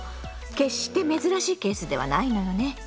決して珍しいケースではないのよね。